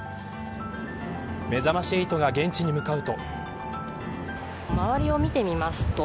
めざまし８が現地に向かうと。